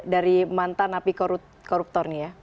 dari mantan api koruptor nih ya